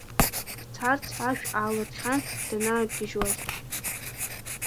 Дцарц ашә аалыртхьан данаақәгьежьуаз.